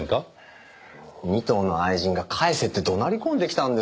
仁藤の愛人が返せって怒鳴り込んできたんですよ。